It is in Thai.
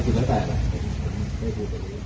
สวัสดีครับ